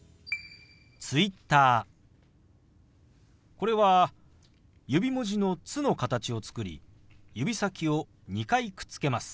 これは指文字の「つ」の形を作り指先を２回くっつけます。